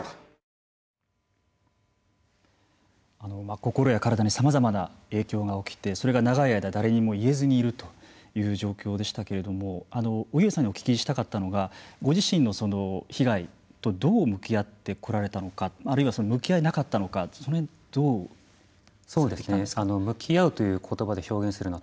心や体にさまざまな影響が起きてそれが長い間誰にも言えずにいるという状況でしたけれども荻上さんにお聞きしたかったのがご自身の被害とどう向き合ってこられたのかあるいは向き合えなかったのか向き合うということばで表現するのは